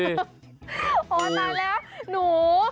อ๋อตายแล้วหนู